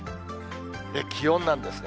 気温なんですね。